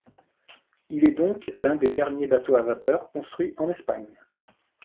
Il est donc l'un des derniers bateaux à vapeur construits en Espagne.